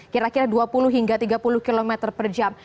kira kira dua puluh hingga tiga puluh km per jam